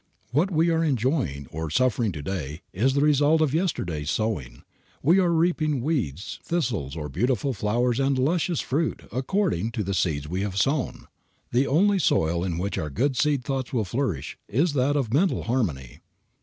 What we are enjoying or suffering to day is the result of yesterday's sowing. We are reaping weeds, thistles, thorns, or beautiful flowers and luscious fruit, according to the seeds we have sown. The only soil in which our good seed thoughts will flourish is that of mental harmony.